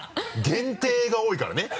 限定が多いからね。